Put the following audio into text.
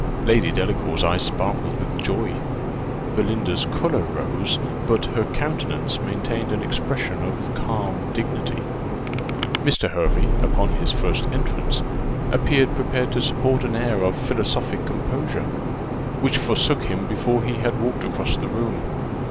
Lady Delacour's eyes sparkled with joy. Belinda's colour rose, but her countenance maintained an expression of calm dignity. Mr. Hervey, upon his first entrance, appeared prepared to support an air of philosophic composure, which forsook him before he had walked across the room.